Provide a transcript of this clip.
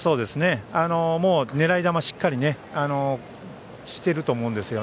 もう、狙い球がしっかりしていると思います。